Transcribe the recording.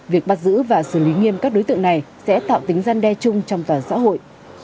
việc bắt giữ và xử lý nghiêm các đối tượng này sẽ tạo tính gian đe chung trong toàn xã hội